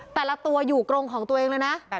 แต่ละตัวอยู่กรงของตัวเองเลยนะ